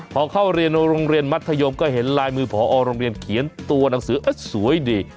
พอเข้าเรียนโรงเรียนมัธยมก็เห็นลายมือพอโรงเรียนเขียนตัวหนังสือสวยดี